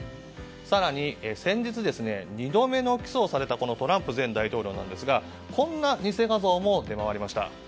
更に、先日２度目の起訴をされたトランプ前大統領ですがこんな偽画像も出回りました。